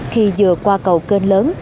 khi vừa qua cầu kênh lớn